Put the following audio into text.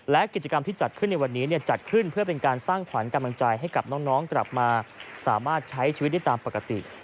และกิจกรรมที่จัดขึ้นในวันนี้จัดขึ้นเพื่อเป็นการสร้างขวัญกำลังใจให้กับน้องกลับมาสามารถใช้ชีวิตได้ตามปกติ